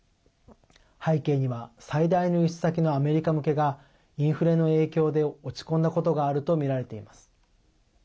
背景には最大の輸出先のアメリカ向けがインフレの影響で落ち込んだことがあるとみられています。